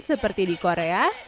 seperti di korea